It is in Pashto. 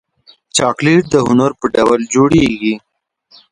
چاکلېټ د هنر په ډول جوړېږي.